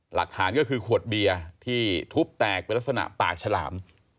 หลักฐานก็คือขวดเบียร์ที่ทุบแตกเป็นลักษณะปากฉลาม